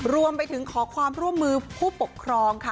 รวมไปถึงขอความร่วมมือผู้ปกครองค่ะ